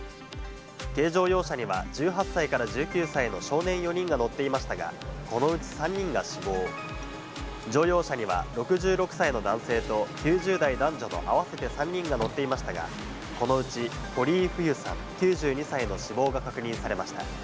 軽乗用車には１８歳から１９歳の少年４人が乗っていましたが、このうち３人が死亡、乗用車には６６歳の男性と９０代男女の合わせて３人が乗っていましたが、このうち堀井フユさん９２歳の死亡が確認されました。